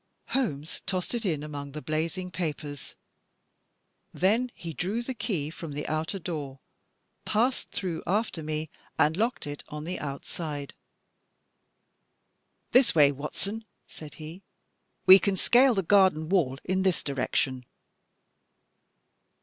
Holmes tossed it in among the blazing papers. Then he drew the key from the outer door, passed through after me, and locked it on the outside. "This way, Watson," said he, "we can scale the garden wall in this direction."